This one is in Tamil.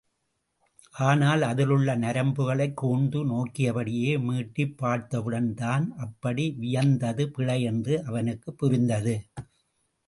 ஆனால் அதிலுள்ள நரம்புகளைக் கூர்ந்து நோக்கியபடியே மீட்டிப் பார்த்தவுடன் தான் அப்படி வியந்தது பிழை என்று அவனுக்குப் புரிந்தது.